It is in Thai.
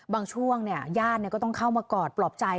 บางช่วงญาติก็ต้องเข้ามากอดปลอบใจ